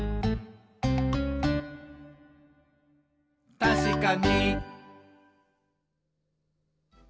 「たしかに！」